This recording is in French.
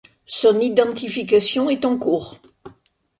Son identification est en cours.